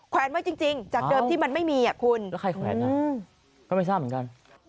แวนไว้จริงจากเดิมที่มันไม่มีอ่ะคุณแล้วใครแขวนก็ไม่ทราบเหมือนกัน